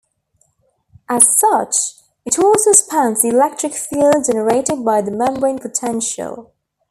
As such, it also spans the electric field generated by the membrane potential.